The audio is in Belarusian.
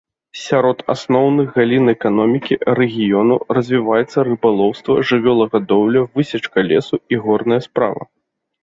Сярод асноўных галін эканомікі рэгіёну развіваюцца рыбалоўства, жывёлагадоўля, высечка лесу і горная справа.